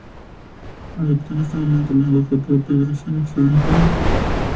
Adopta en este momento el lenguaje propio del cine occidental.